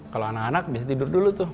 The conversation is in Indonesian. kalau anak anak bisa tidur dulu tuh